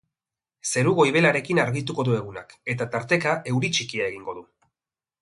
Zeru goibelarekin argituko du egunak eta tarteka euri txikia egingo du.